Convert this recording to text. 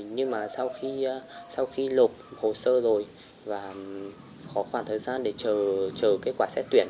nhưng mà sau khi lột hồ sơ rồi và khó khoảng thời gian để chờ kết quả xét tuyển